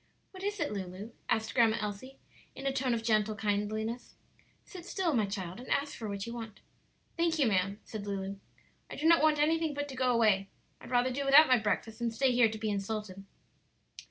"What is it, Lulu?" asked Grandma Elsie, in a tone of gentle kindliness. "Sit still, my child, and ask for what you want." "Thank you, ma'am," said Lulu. "I do not want anything but to go away. I'd rather do without my breakfast than stay here to be insulted."